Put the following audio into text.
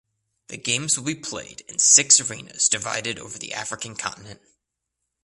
The games will be played in six arenas divided over the African continent.